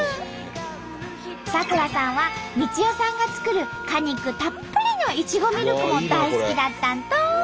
咲楽さんは美智代さんが作る果肉たっぷりのいちごミルクも大好きだったんと！